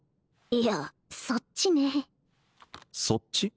いやそっちねそっち？